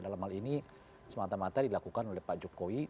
dalam hal ini semata mata dilakukan oleh pak jokowi